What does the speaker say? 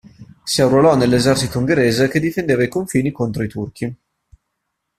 Si arruolò nell'esercito ungherese che difendeva i confini contro i Turchi.